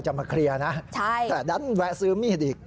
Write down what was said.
แน็ตกมาคลีย์นะใช่แต่ตอนนั้นแวะซื้อมีฆอีก